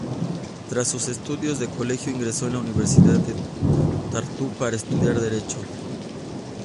Tras sus estudios de colegio ingresó en la universidad de Tartu para estudiar derecho.